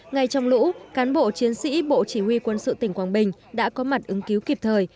ngay trong lũ cán bộ chiến sĩ bộ chỉ huy quân sự tỉnh quảng bình đã có mặt ứng cứu kịp thời